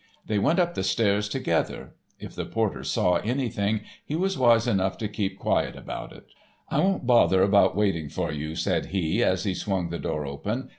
They went up the stairs together. If the porter saw anything, he was wise enough to keep quiet about it. "I won't bother about waiting for you," said he, as he swung the door open.